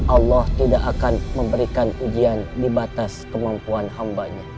allah tidak akan memberikan ujian di batas kemampuan hambanya